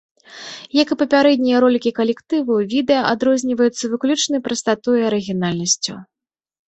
Як і папярэднія ролікі калектыву, відэа адрозніваецца выключнай прастатой і арыгінальнасцю.